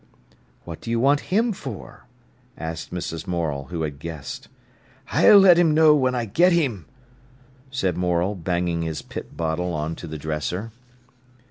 "What do you want him for?" asked Mrs. Morel, who had guessed. "I'll let 'im know when I get him," said Morel, banging his pit bottle on to the dresser.